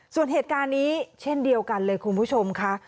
ส่วนเหตุการณ์นี้เช่นเดียวกันเลยคุณผู้ชมค่ะ